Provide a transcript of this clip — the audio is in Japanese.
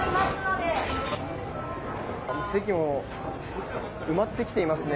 席も埋まってきていますね。